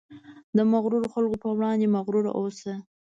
د مغرورو خلکو په وړاندې مغرور اوسه.